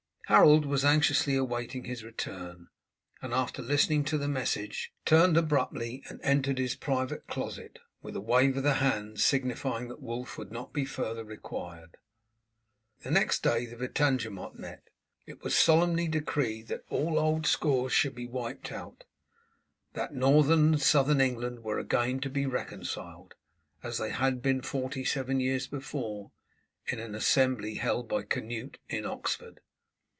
Harold was anxiously awaiting his return, and after listening to the message turned abruptly and entered his private closet, with a wave of the hand signifying that Wulf would not be further required. The next day the Witenagemot met. It was solemnly decreed that all old scores should be wiped out; that Northern and Southern England were again to be reconciled, as they had been forty seven years before in an assembly held by Canute in Oxford.